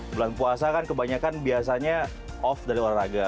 bulan puasa kan kebanyakan biasanya off dari olahraga